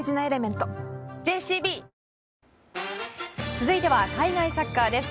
続いては海外サッカーです。